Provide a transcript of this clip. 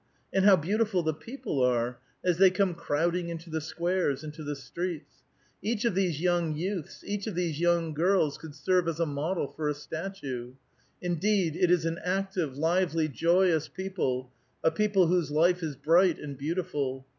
And how beau tiful the people are, as they come crowdiug into the squares, into the streets ! Each of these young youths, each of these young girls, could serve as a model for a statue. Indeed, it is an active, lively, joyous people, a people whose life is bright and beautiful.